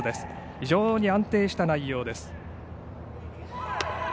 非常に安定した内容です。